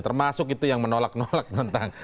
termasuk itu yang menolak nolak tentang